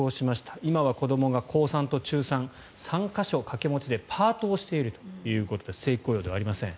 今は子どもが高３と中３３か所、掛け持ちでパートをしているということで正規雇用ではありません。